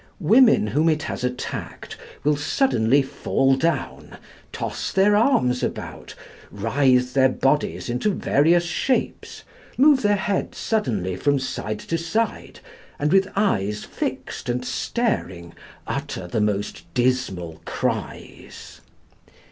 Women whom it has attacked will suddenly fall down, toss their arms about, writhe their bodies into various shapes, move their heads suddenly from side to side, and with eyes fixed and staring, utter the most dismal cries.